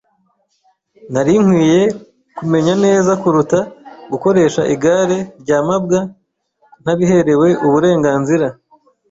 Nari nkwiye kumenya neza kuruta gukoresha igare rya mabwa ntabiherewe uburenganzira.